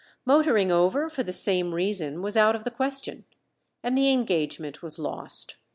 Motoring over for the same reason was out of the question, and the engagement was lost.